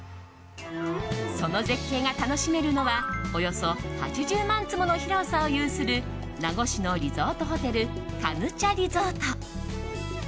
その絶景が楽しめるのはおよそ８０万坪の広さを有する名護市のリゾートホテルカヌチャリゾート。